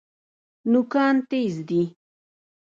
نوکان تیز دي.